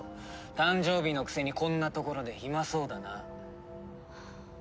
誕生日のくせにこんな所で暇そうだな。